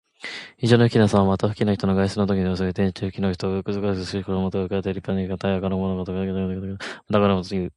非常に富貴なさま。また、富貴な人の外出のときの装い。転じて、富貴の人。軽くて美しい皮ごろもと肥えた立派な馬の意から。「裘」は皮ごろものこと。「軽裘」は軽くて高価な皮ごろも。略して「軽肥」ともいう。また「肥馬軽裘」ともいう。